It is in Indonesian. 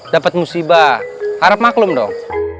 dapat musibah harap maklum dong